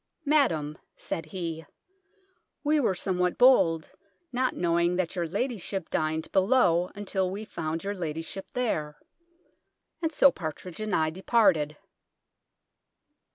" Madam," saide he, " wee wer somewhat bolde, not knowing that your lady ship dyned belowe untyll we fonde your ladyship ther." And so Partrige and I departed.